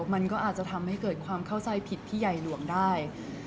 มันก็อาจจะทำให้เกิดความเข้าใจผิดพี่ใหญ่หลวงได้